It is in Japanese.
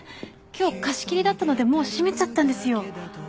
今日貸し切りだったのでもう閉めちゃったんですよ。